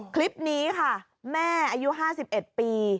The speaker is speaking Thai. คลิปนี้ค่ะแม่อายุ๕๑ปี